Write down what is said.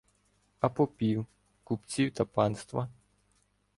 А попів, купців та панства